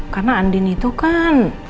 karena andin itu kan